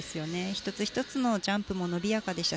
１つ１つのジャンプも伸びやかでした。